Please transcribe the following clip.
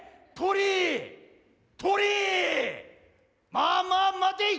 まあまあ待てい。